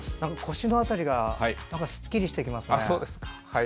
腰の辺りがすっきりしてきますね。